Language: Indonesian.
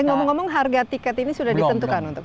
eh ngomong ngomong harga tiket ini sudah ditentukan untuk itu masih